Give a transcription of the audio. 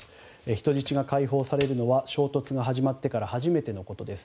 人質が解放されるのは衝突が始まってから初めてのことです。